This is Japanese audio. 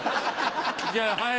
じゃあ、はい。